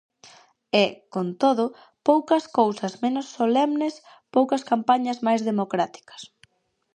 E, con todo, poucas cousas menos solemnes, poucas campañas máis democráticas.